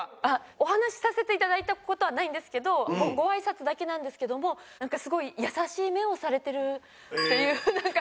お話しさせて頂いた事はないんですけどごあいさつだけなんですけどもなんかすごい優しい目をされてるっていうなんか。